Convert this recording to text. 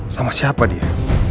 sama siapa dia